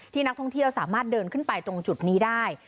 นักท่องเที่ยวสามารถเดินขึ้นไปตรงจุดนี้ได้